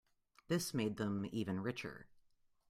This made them even richer.